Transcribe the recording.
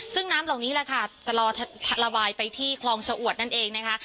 ซึ่งน้ำเหล่านี้แหละค่ะจะรอระบายไปที่คลองชะอวดนั่นเองนะคะ